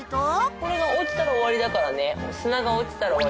これが落ちたら終わりだからね。